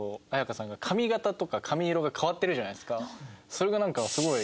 それがなんかすごい。